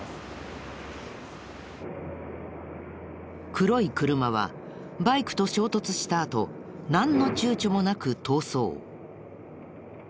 黒い車はバイクと衝突したあとなんの躊躇もなく逃走。